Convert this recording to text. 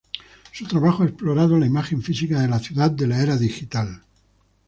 Su trabajo ha explorado la imagen física de la ciudad de la era digital.